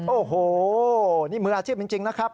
โอ้โหนี่มืออาชีพจริงนะครับ